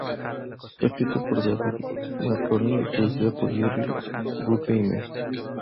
Fue escrito por David Marconi y producida por Jerry Bruckheimer.